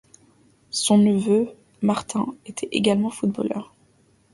Son neveu, Martín, était également footballeur.